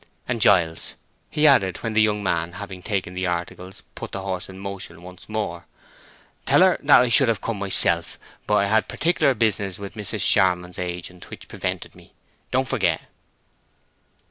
And, Giles," he added, when the young man, having taken the articles, put the horse in motion once more, "tell her that I should have come myself, but I had particular business with Mrs. Charmond's agent, which prevented me. Don't forget."